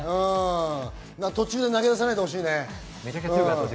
途中で投げ出さないでほしいね。